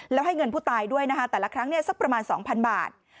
แล้วให้เงินผู้ตายด้วยนะคะแต่ละครั้งสักประมาณ๒๐๐บาท